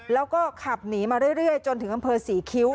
แล้วก็ขับหนีมาเรื่อยจนถึงอำเภอศรีคิ้ว